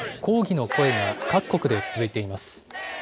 抗議の声が各国で続いています。